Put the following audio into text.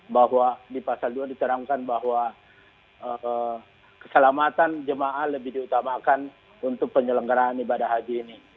bahwa di pasal dua diterangkan bahwa keselamatan jemaah lebih diutamakan untuk penyelenggaraan ibadah haji ini